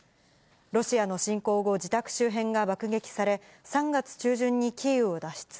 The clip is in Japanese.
ロシアの侵攻後、自宅周辺が爆撃され、３月中旬にキーウを脱出。